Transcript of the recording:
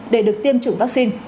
để được tiêm chủng vaccine